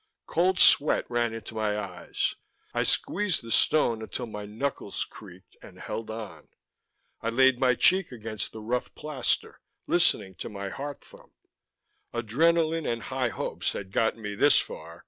Cold sweat ran into my eyes. I squeezed the stone until my knuckles creaked, and held on. I laid my cheek against the rough plaster, listening to my heart thump. Adrenalin and high hopes had gotten me this far